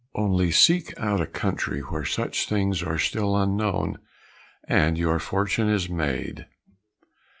Only seek out a country where such things are still unknown, and your fortune is made."